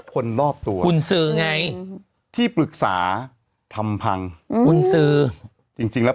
คนรอบตัวคุณซื้อไงที่ปรึกษาทำพังกุญสือจริงจริงแล้ว